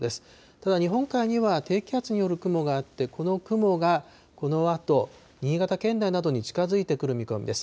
ただ、日本海には低気圧による雲があって、この雲がこのあと新潟県内などに近づいてくる見込みです。